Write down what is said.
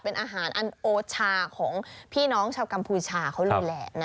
เป็นอาหารอันโอชาของพี่น้องชาวกัมพูชาเขาเลยแหละ